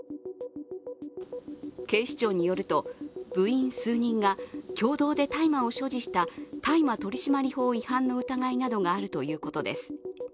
警視庁によると、部員数人が共同で大麻を所持した大麻取締法違反の疑いなどがあるということです。